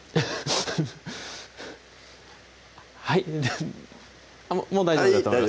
はいもう大丈夫だと思います